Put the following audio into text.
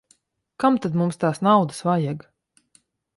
Kam tad mums tās naudas vajag.